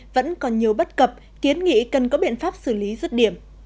vẫn còn nhiều bất cập kiến nghị cần có biện pháp xử lý rứt điểm